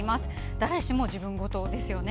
誰しも自分ごとですよね。